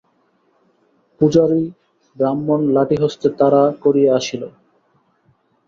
পূজারি ব্রাহ্মণ লাঠি হস্তে তাড়া করিয়া আসিল।